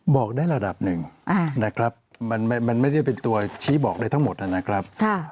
บอกได้ระดับหนึ่งนะครับมันไม่ได้เป็นตัวชี้บอกได้ทั้งหมดนะครับ